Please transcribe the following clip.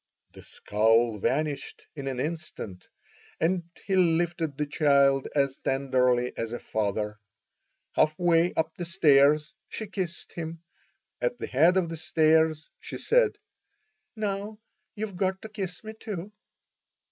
The scowl vanished in an instant, and he lifted the child as tenderly as a father. Half way up the stairs she kissed him. At the head of the stairs she said, "Now, you've got to kiss me, too."